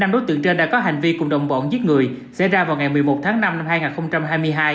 năm đối tượng trên đã có hành vi cùng đồng bọn giết người xảy ra vào ngày một mươi một tháng năm năm hai nghìn hai mươi hai